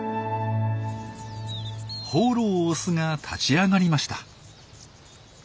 放浪オスが立ち上がりました。